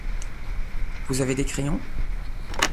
Vous avez des crayons ?